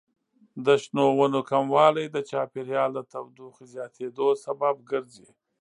د شنو ونو کموالی د چاپیریال د تودوخې زیاتیدو سبب ګرځي.